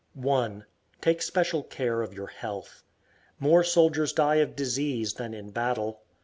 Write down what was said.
1. Take special care of your health. More soldiers die of disease than in battle.